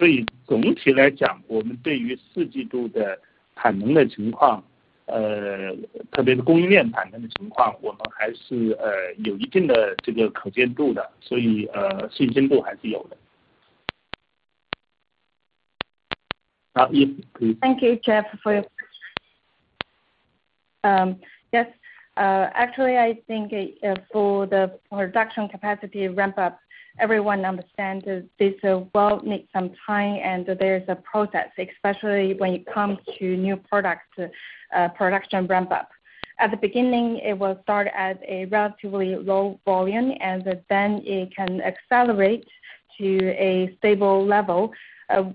特别是供应链板块的情况，我们还是有一定的这个可见度的，所以信心还是有的。好，叶，请。Thank you, Jeff. Yes. Actually I think for the production capacity ramp up everyone understands this will need some time, and there is a process, especially when it comes to new product production ramp up. At the beginning it will start at a relatively low volume as then it can accelerate to a stable level.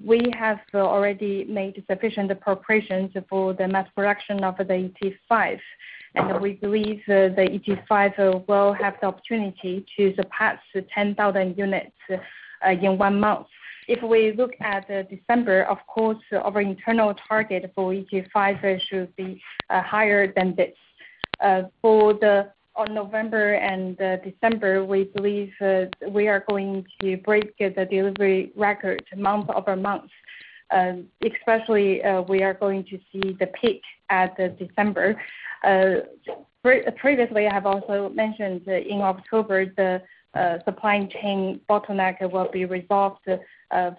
We have already made sufficient preparations for the mass production of the ET5, and we believe the ET5 will have the opportunity to surpass 10,000 units in one month. If we look at December, of course, our internal target for ET5 should be higher than this for the one in November and December, we believe we are going to break the delivery record month-over-month. Especially we are going to see the peak at December. Previously I have also mentioned in October the supply chain bottleneck will be resolved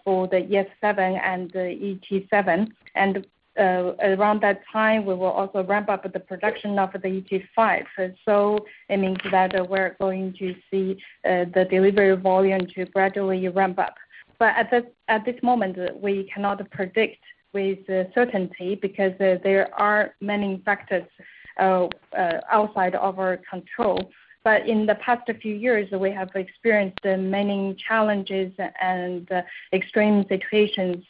for the ES7 and ET7, and around that time we will also ramp up the production of the ET5. It means that we're going to see the delivery volume to gradually ramp up. At this moment, we cannot predict with certainty because there are many factors outside of our control. In the past few years, we have experienced many challenges and extreme situations.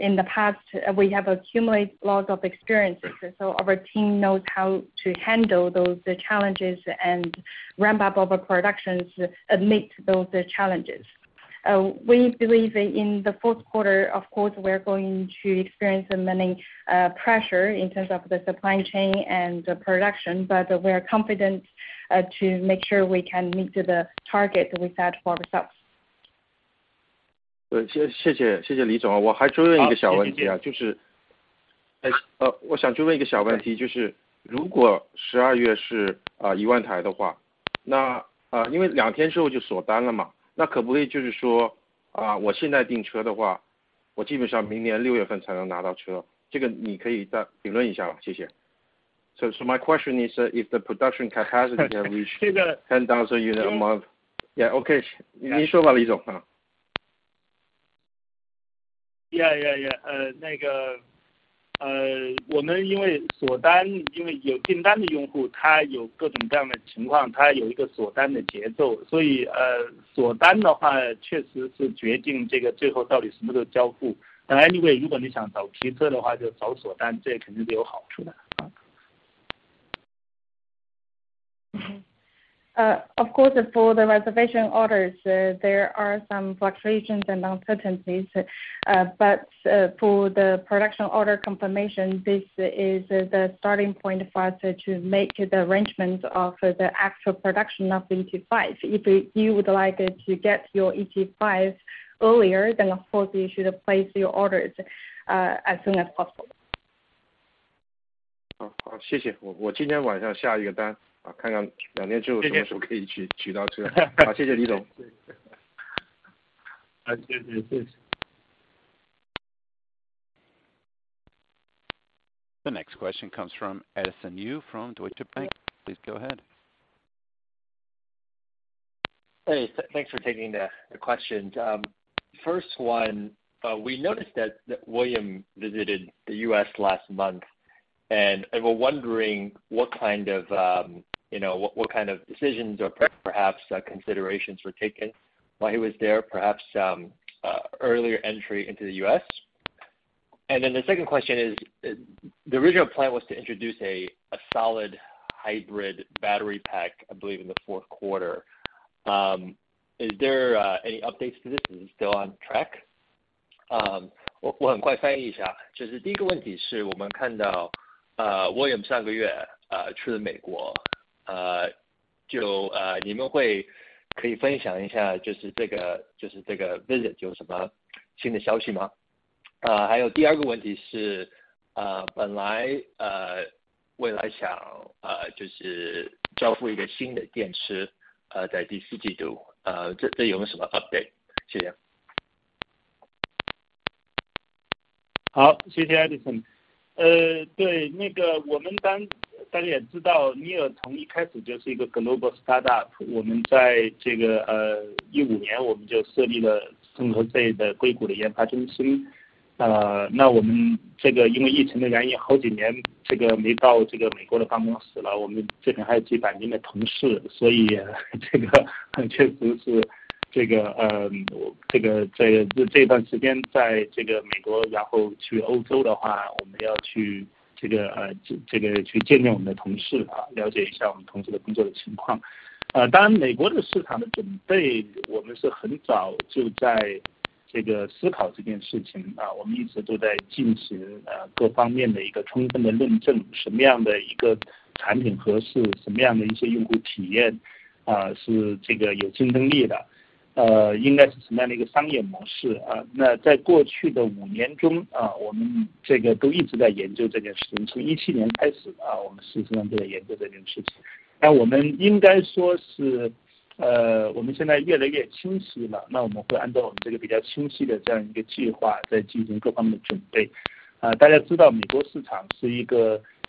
In the past, we have accumulated a lot of experience, so our team knows how to handle those challenges and ramp up over productions amid those challenges. We believe in the Q4, of course, we're going to experience many pressure in terms of the supply chain and production, but we are confident to make sure we can meet the target we set for ourselves. 对，谢谢，谢谢李总。我就问一个小问题，就是如果十二月是一万台的话，那因为两天之后就锁单了嘛，那可不就是说，我现在订车的话，我基本上明年六月份才能拿到车，这个你可以再评论一下吧。谢谢。So my question is if the production capacity can reach ten thousand units a month. OK，您说吧，李总。Of course, for the reservation orders, there are some fluctuations and uncertainties, but for the production order confirmation, this is the starting point for us to make the arrangements of the actual production of ET5. If you would like to get your ET5 earlier, of course you should place your orders as soon as possible. 好，谢谢。我今天晚上下一个单，看看两天之后什么时候可以去取到车。好，谢谢李总。好，谢谢，谢谢。The next question comes from Edison Yu from Deutsche Bank. Please go ahead. Hey, thanks for taking the question. First one, we noticed that William visited the US last month, and we're wondering what kind of, you know, decisions or perhaps considerations were taken while he was there. Perhaps earlier entry into the US? The second question is, the original plan was to introduce a solid hybrid battery pack, I believe in the Q4. is there any updates to this? Is it still on track? startup，我们在2015年就设立了硅谷的研发中心，那我们因为疫情的原因，好几年没到美国的办公室了，我们这边还有几百名的同事，所以这个确实是，在这段时间在美国，然后去欧洲的话，我们要去见见我们的同事，了解一下我们同事的工作的情况。当然美国市场的准备，我们是很早就在思考这件事情，我们一直都在进行各方面的充分的论证，什么样的产品合适，什么样的用户体验是有竞争力的，应该是什么样的商业模式。那在过去的五年中，我们都一直在研究这件事情，从2017年开始，我们实际上在研究这件事情。我们应该说是，我们现在越来越清晰了，那我们会按照我们比较清晰的这样一个计划在进行各方面的准备。大家知道美国市场是一个竞争非常激烈的市场，那它的法规体系，它的这个和中国、欧洲也有比较大的区别。那我们当然要准备，所以我们在这件事情上，我们是长期的思考，周密的准备，保持耐心。但是毫无疑问，肯定是离这个越来越近了。当然具体的时间的话，我们今天还太早去说。但总体来说肯定是越来越近了。第一，我们进入美国市场。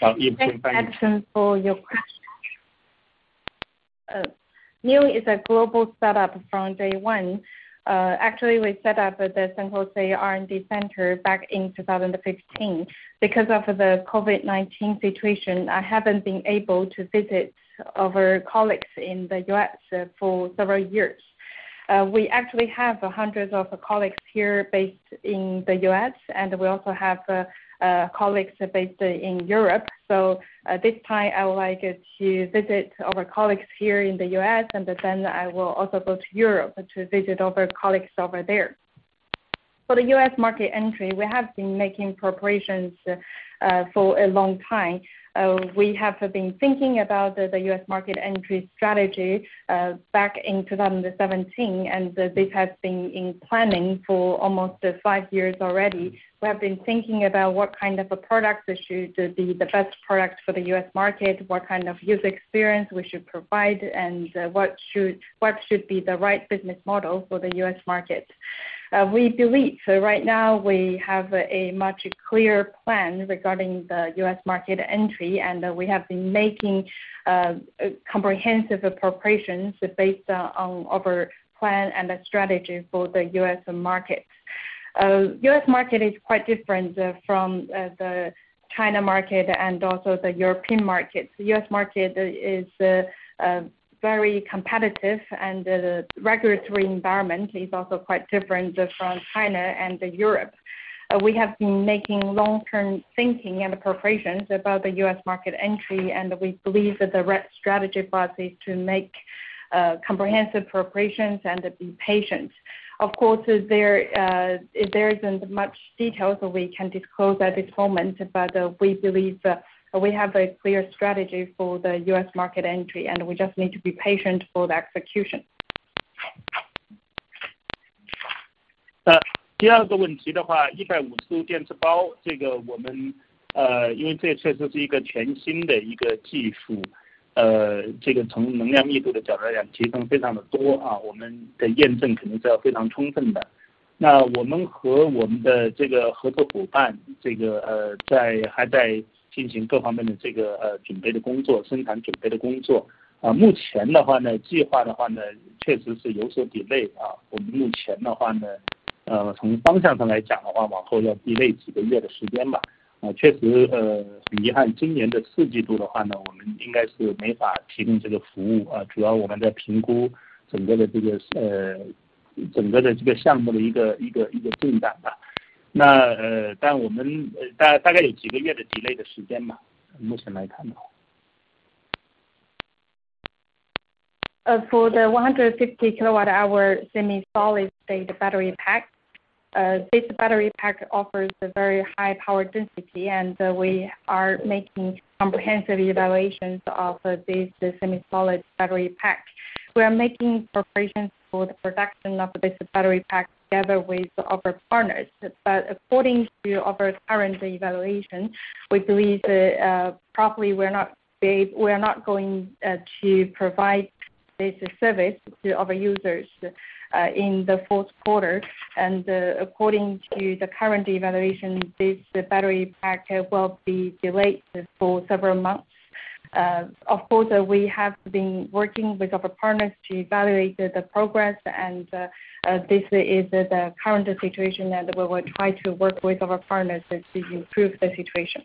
NIO is a global setup from day one. Actually we set up the San Jose R&D center back in 2015. Because of the COVID-19 situation, I haven't been able to visit our colleagues in the U.S. for several years. We actually have hundreds of colleagues here based in the U.S., and we also have colleagues based in Europe. This time I would like to visit our colleagues here in the U.S. I will also go to Europe to visit our colleagues over there. For the U.S. market entry, we have been making preparations for a long time. We have been thinking about the U.S. market entry strategy back in 2017, and this has been in planning for almost 5 years already. We have been thinking about what kind of a product should be the best product for the U.S. market, what kind of user experience we should provide, and what should be the right business model for the U.S. market. We believe right now we have a much clearer plan regarding the U.S. market entry, and we have been making comprehensive preparations based on our plan and the strategy for the U.S. market. U.S. market is quite different from the China market and also the European market. The U.S. market is very competitive, and the regulatory environment is also quite different from China and Europe. We have been making long term thinking and preparations about the U.S. market entry, and we believe that the right strategy for us is to make comprehensive preparations and be patient. Of course, there isn't much details we can disclose at this moment, but we believe we have a clear strategy for the U.S. market entry and we just need to be patient for the execution. For the 150 kWh semi-solid state battery pack. This battery pack offers a very high power density, and we are making comprehensive evaluations of this semi-solid battery pack. We are making preparations for the production of this battery pack together with our partners. According to our current evaluation, we believe, probably we are not going to provide this service to our users in the Q4. According to the current evaluation, this battery pack will be delayed for several months. Of course, we have been working with our partners to evaluate the progress, and this is the current situation, and we will try to work with our partners to improve the situation.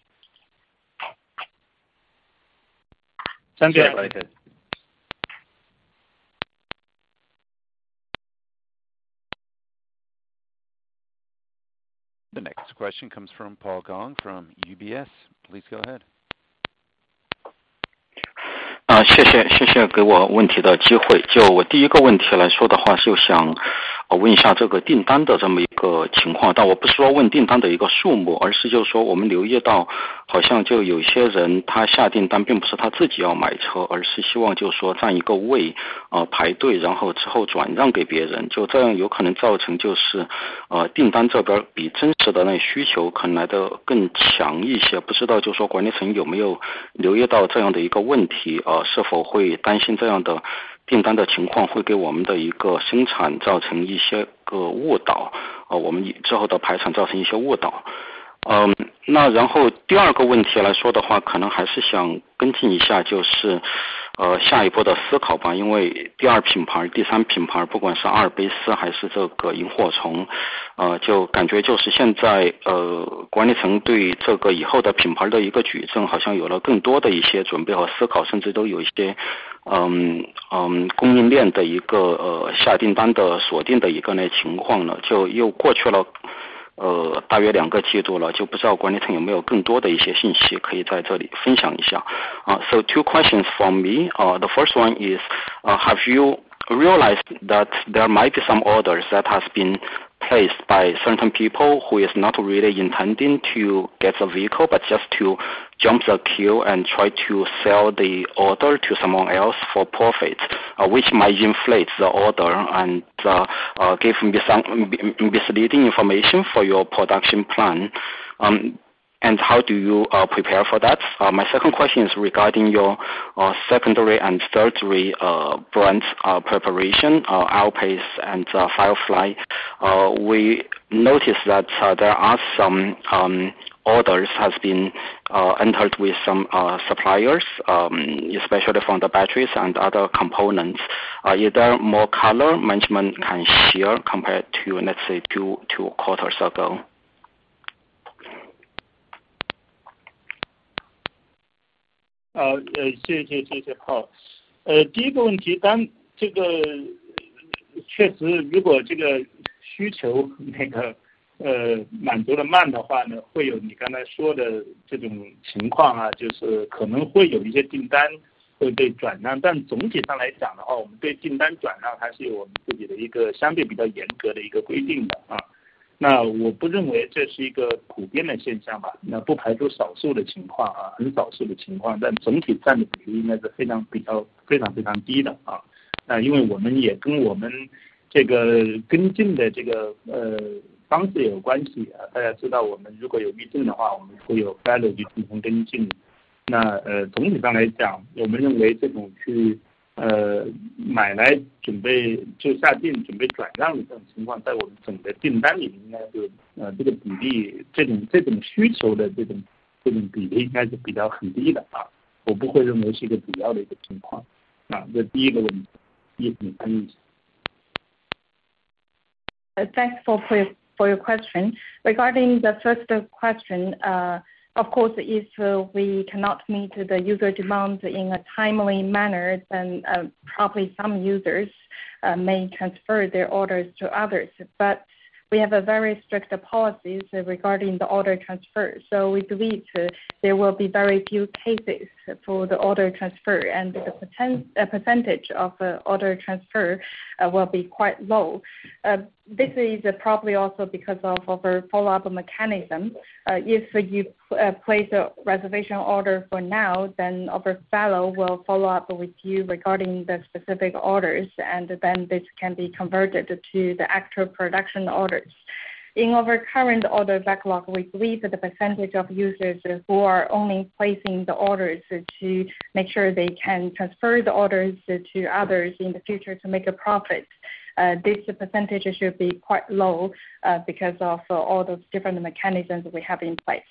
感谢。The next question comes from Paul Gong from UBS. Please go ahead. So two questions for me. The first one is have you realized that there might be some orders that has been placed by certain people who is not really intending to get the vehicle, but just to jump the queue and try to sell the order to someone else for profit, which might inflate the order and give some misleading information for your production plan. How do you prepare for that? My second question is regarding your secondary and tertiary brands preparation, Alps and Firefly. We notice that there are some orders has been entered with some suppliers, especially from the batteries and other components. Are there more color management can share compared to let's say two quarters ago? Thanks for your question. Regarding the first question, of course, if we cannot meet the user demands in a timely manner, then probably some users may transfer their orders to others. We have a very strict policy regarding the order transfer, so we believe there will be very few cases for the order transfer, and the percentage of order transfer will be quite low. This is probably also because of our follow-up mechanism. If you place a reservation order for now, then our Fellow will follow up with you regarding the specific orders, and then this can be converted to the actual production orders. In our current order backlog, we believe that the percentage of users who are only placing the orders to make sure they can transfer the orders to others in the future to make a profit. This percentage should be quite low because of all those different mechanisms we have in place.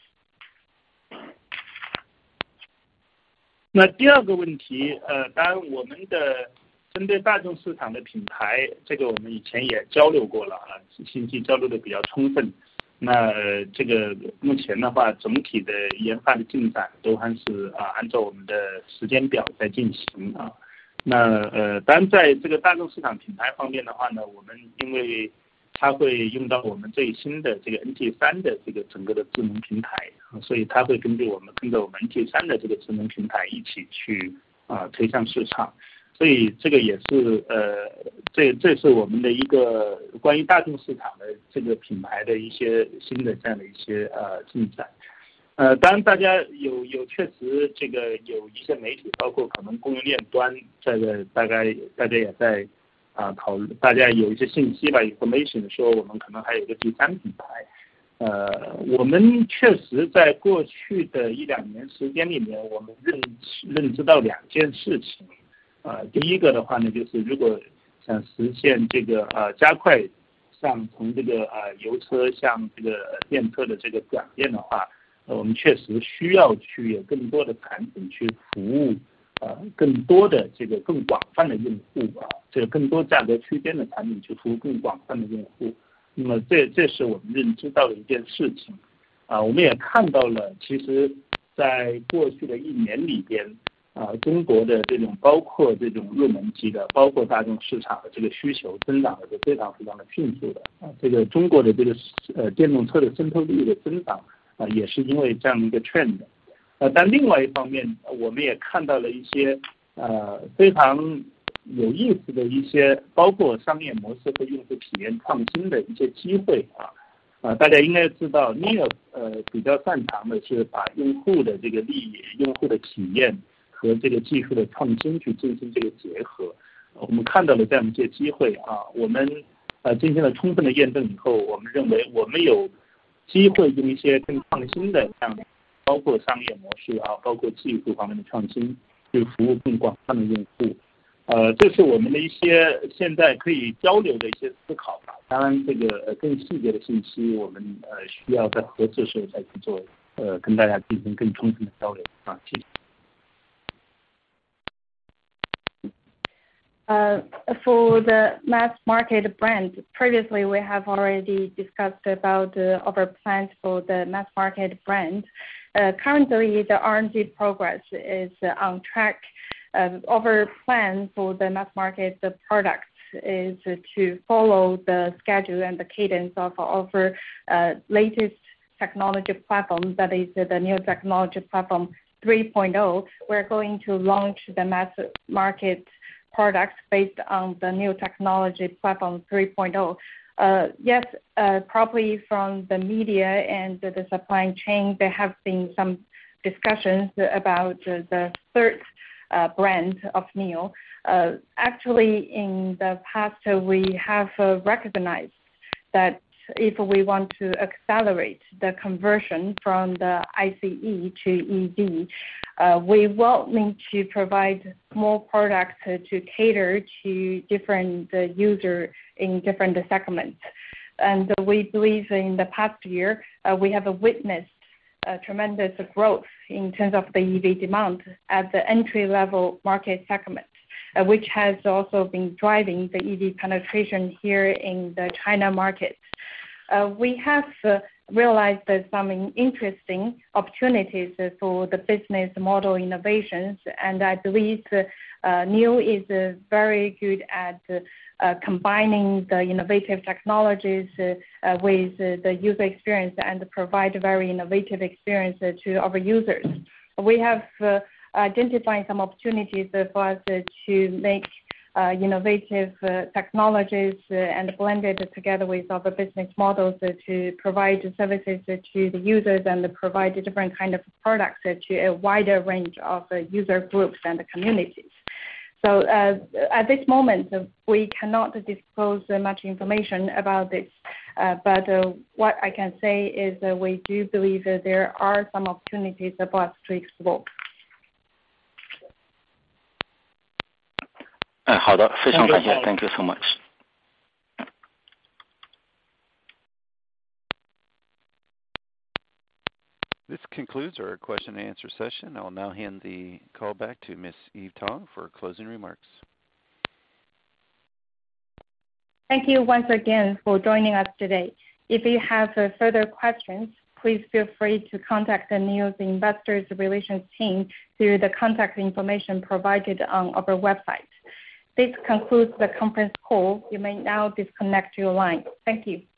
For the mass market brand, previously we have already discussed about our plans for the mass market brand. Currently the R&D progress is on track. Our plan for the mass market, the product is to follow the schedule and the cadence of our latest technology platform. That is the new technology platform 3.0. We're going to launch the mass market product based on the new technology platform 3.0. Yes, probably from the media and the supply chain, there have been some discussions about the third brand of NIO. Actually, in the past, we have recognized that if we want to accelerate the conversion from the ICE to EV, we will need to provide more products to cater to different user in different segments. We believe in the past year, we have witnessed a tremendous growth in terms of the EV demand at the entry-level market segment, which has also been driving the EV penetration here in the China market. We have realized there's some interesting opportunities for the business model innovations, and I believe, NIO is very good at combining the innovative technologies with the user experience and provide very innovative experience to our users. We have identifying some opportunities for us to make innovative technologies and blend it together with our business models to provide services to the users and provide different kind of products to a wider range of user groups and the communities. At this moment, we cannot disclose much information about this. What I can say is we do believe that there are some opportunities for us to explore. Thank you so much. This concludes our question and answer session. I'll now hand the call back to Ms. Eve Tang for closing remarks. Thank you once again for joining us today. If you have further questions, please feel free to contact NIO's investor relations team through the contact information provided on our website. This concludes the conference call. You may now disconnect your line. Thank you.